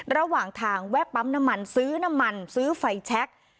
ระหว่างทางแวะปั๊มน้ำมันซื้อน้ำมันซื้อไฟแชค